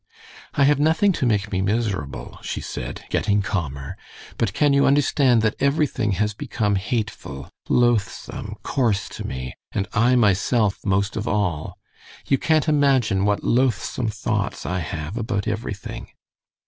"I have nothing to make me miserable," she said, getting calmer; "but can you understand that everything has become hateful, loathsome, coarse to me, and I myself most of all? You can't imagine what loathsome thoughts I have about everything."